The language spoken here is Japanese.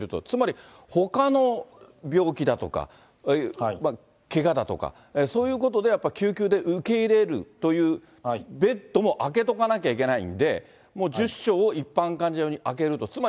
つまり、ほかの病気だとか、けがだとか、そういうことでやっぱり救急で受け入れるというベッドも空けとかなきゃいけないんで、もう１０床を一般患者用に空けると。